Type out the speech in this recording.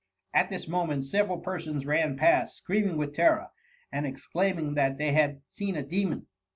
At this moment several persons ran past, screaming with terror, and exclaiming that they had seen a demon.